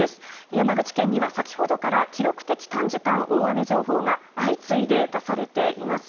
山口県には先ほどから記録的短時間大雨情報が相次いで出されています。